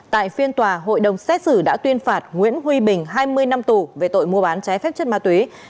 tại phiên tòa hội đồng xét xử đã tuyên phạt nguyễn huy bình hai mươi năm tù về tội mua bán trái phép chất ma túy